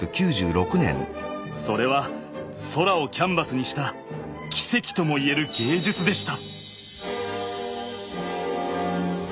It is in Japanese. それは空をキャンバスにした奇跡ともいえる芸術でした。